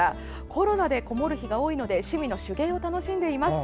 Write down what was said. コロナでこもる日が多いので趣味の手芸を楽しんでいます。